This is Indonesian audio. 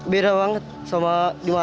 berbeda banget sama jumat